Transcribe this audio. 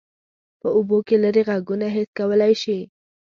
په اوبو کې لیرې غږونه حس کولی شي.